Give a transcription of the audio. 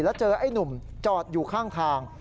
แล้วเจอไอ้หนุ่มจอดอยู่ข้างทาง